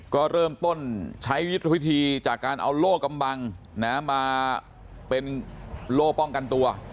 ก็เริ่มต้นใช้ยุทธวิธีจากการเอาโล่กำบังมาเป็นโล่ป้องกันตัว